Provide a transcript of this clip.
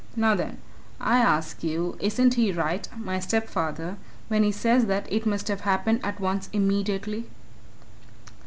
Now, then, I ask you isn't he right, my stepfather, when he says that it must have happened at once immediately?